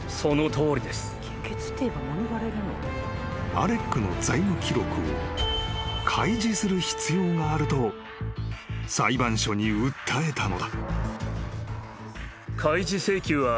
［アレックの財務記録を開示する必要があると裁判所に訴えたのだ］